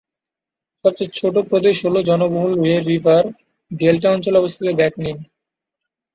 সবচেয়ে ছোট প্রদেশ হল জনবহুল রেড রিভার ডেল্টা অঞ্চলে অবস্থিত ব্যাক নিন।